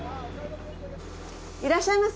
いらっしゃいませ。